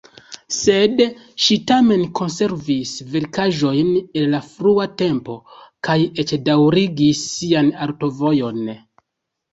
Sed ŝi tamen konservis verkaĵojn el la frua tempo kaj eĉ daŭrigis sian artovojon.